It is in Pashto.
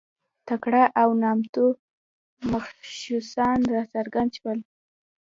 تکړه او نامتو متخصصان راڅرګند شول.